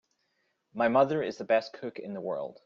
My mother is the best cook in the world!